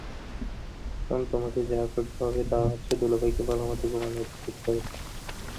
এখন তোমাকে যা করতে হবে তা হচ্ছে, দুলাভাইকে ভালোমতো ঘুমানোর সুযোগ করে দেওয়া।